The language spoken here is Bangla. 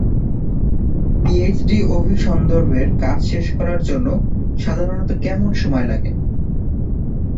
পিএইচডি অভিসন্দর্ভের কাজ শেষ করার জন্য সাধারণত কেমন সময় লাগে?